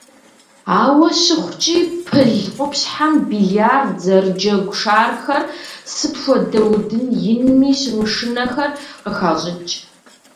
Ауэ щыхъукӀи, пыл къупщхьэм биллиард зэрыджэгу шархэр, сыт хуэдэ удын инми щымышынэхэр, къыхащӀыкӀ.